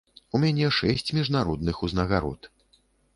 У мяне шэсць міжнародных узнагарод.